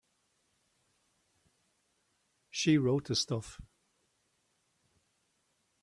She wrote the stuff.